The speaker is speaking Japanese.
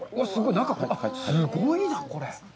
中、すごいな、これ。